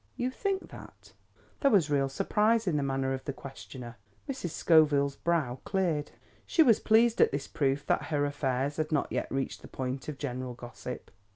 "You think that?" There was real surprise in the manner of the questioner. Mrs. Scoville's brow cleared. She was pleased at this proof that her affairs had not yet reached the point of general gossip.